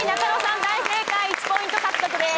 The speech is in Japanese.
大正解１ポイント獲得です